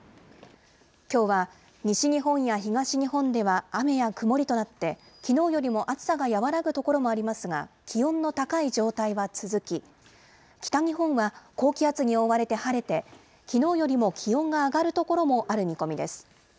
きょうは西日本や東日本では雨や曇りとなって、きのうよりも暑さが和らぐ所もありますが、気温の高い状態は続き、北日本は高気圧に覆われて晴れて、きのうよりも気温が上がる所もある見込みです。